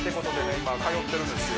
今通ってるんですよ